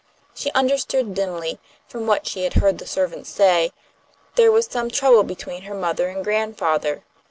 She understood dimly, from what she had heard the servants say, that there was some trouble between her mother and grandfather.